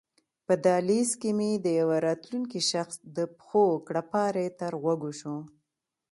په دهلېز کې مې د یوه راتلونکي شخص د پښو کړپهاری تر غوږو شو.